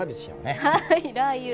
はいラーユ。